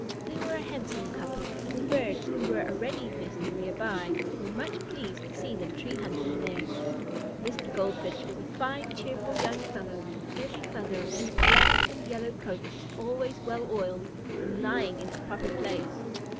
They were a handsome couple, and the birds who were already nesting near by were much pleased to see them tree hunting there. Mr. Goldfinch was a fine, cheerful little fellow, every feather of whose black and yellow coat was always well oiled and lying in its proper place.